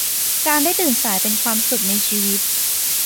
การได้ตื่นสายเป็นความสุขในชีวิต